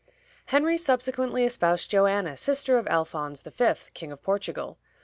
Henry subsequently espoused Joanna, sister of Alphonse V., King of Portugal.